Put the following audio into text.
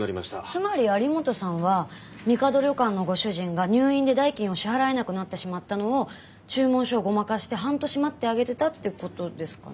つまり有本さんはみかど旅館のご主人が入院で代金を支払えなくなってしまったのを注文書をごまかして半年待ってあげてたってことですかね。